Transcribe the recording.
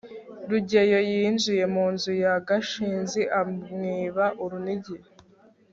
rugeyo yinjiye mu nzu ya gashinzi amwiba urunigi